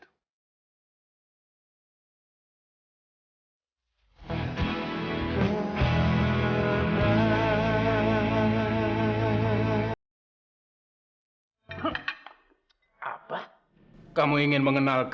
dan kamu gak mungkin mencintai aku